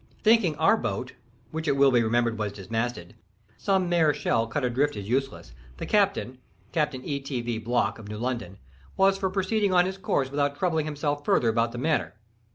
Thinking our boat (which it will be remembered was dismasted) some mere shell cut adrift as useless, the captain (Captain E. T. V. Block, of New London) was for proceeding on his course without troubling himself further about the matter.